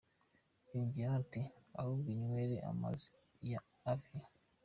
Yongeyeho ati "Ahubwo inywere amazi ya Evian".